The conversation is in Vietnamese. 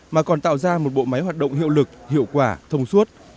mà còn tạo ra một bộ máy hoạt động hiệu lực hiệu quả thông suốt